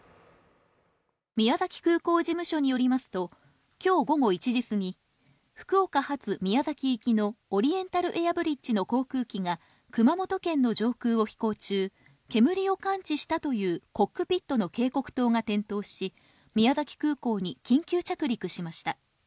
宮崎空港事務所によりますと、今日午後１時すぎ、福岡発宮崎行きのオリエンタルエアブリッジの航空機が熊本県の上空を上空を飛行中煙を感知したというコックピットの警告灯が点灯し、宮崎空港に緊急着陸しました。